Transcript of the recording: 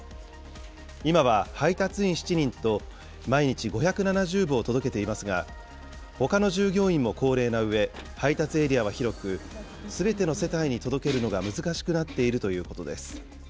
今は配達員７人と、毎日５７０部を届けていますが、ほかの従業員も高齢なうえ、配達エリアは広く、すべての世帯に届けるのが難しくなっているということです。